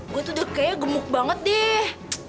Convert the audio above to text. gue tuh kayaknya gemuk banget deh